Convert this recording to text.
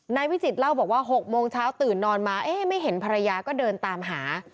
วิจิตเล่าบอกว่า๖โมงเช้าตื่นนอนมาเอ๊ะไม่เห็นภรรยาก็เดินตามหา